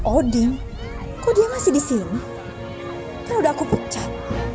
odin kudu masih di sini udah aku pecat